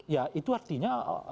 iya itu artinya